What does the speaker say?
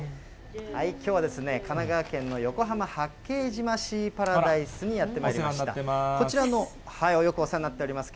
きょうは神奈川県の横浜・八景島シーパラダイスにやってまいりまお世話になってます。